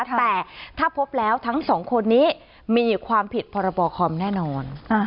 แต่ถ้าพบแล้วทั้งสองคนนี้มีความผิดพรบคอมแน่นอน